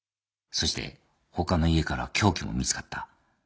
そして他の家から凶器も見つかった。